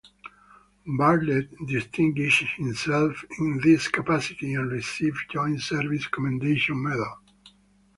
Bartlett distinguished himself in this capacity and received Joint Service Commendation Medal.